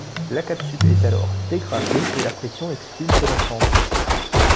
La capsule est alors dégrafée et la pression expulse l’ensemble.